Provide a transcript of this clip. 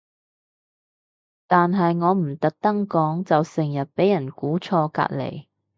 但係我唔特登講就成日會俾人估錯隔離